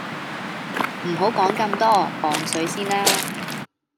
唔好講咁多，磅水先啦！